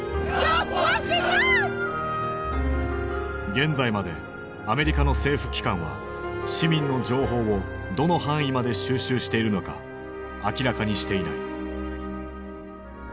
現在までアメリカの政府機関は市民の情報をどの範囲まで収集しているのか明らかにしていない。